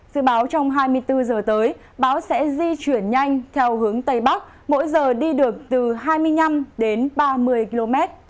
dự báo trong hai mươi bốn giờ tới bão sẽ di chuyển nhanh theo hướng tây bắc mỗi giờ đi được từ hai mươi năm đến ba mươi km